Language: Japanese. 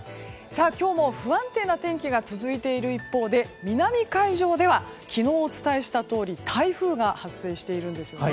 今日も不安定な天気が続いている一方で南海上では昨日お伝えしたとおり台風が発生しているんですね。